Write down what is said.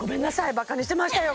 バカにしてましたよ